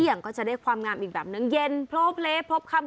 อย่างก็จะได้ความงามอีกแบบนึงเย็นโพลเพลพบคำ